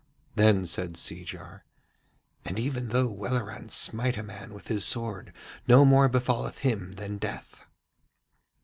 Then said Seejar: 'And even though Welleran smite a man with his sword no more befalleth him than death.'